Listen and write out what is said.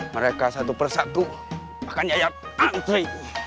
mereka satu persatu akan nyayap antri